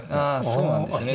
あそうなんですね。